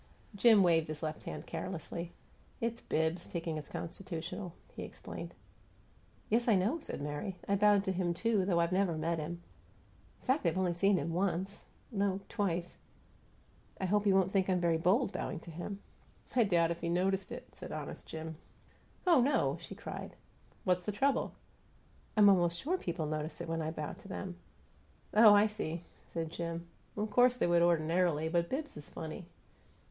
Jim waved his left hand carelessly. "It's Bibbs, taking his constitutional," he explained. "Yes, I know," said Mary. "I bowed to him, too, though I've never met him. In fact, I've only seen him once no, twice. I hope he won't think I'm very bold, bowing to him." "I doubt if he noticed it," said honest Jim. "Oh, no!" she cried. "What's the trouble?" "I'm almost sure people notice it when I bow to them." "Oh, I see!" said Jim. "Of course they would ordinarily, but Bibbs is funny."